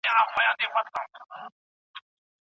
موږ د غره په لمن کې مېوې راټولې کړې.